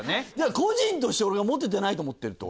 個人として俺がモテてないと思ってるってこと？